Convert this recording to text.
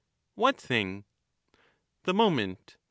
What thing ? The moment.